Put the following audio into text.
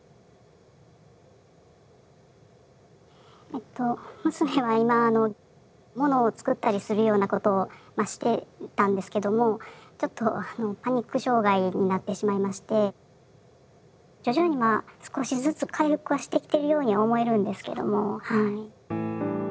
えっと娘は今ものを作ったりするようなことをしてたんですけどもちょっとパニック障害になってしまいまして徐々に少しずつ回復はしてきてるようには思えるんですけどもはい。